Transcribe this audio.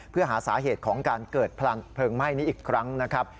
เพื่อหาสาเหตุของการเกิดเพลิงไหม้นี้อีกครั้งนะครับ